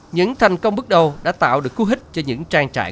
những thành công bước đầu đã tạo được cú hích cho những trang trại